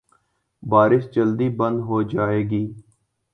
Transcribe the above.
بارش جلدی بند ہو جائے گی۔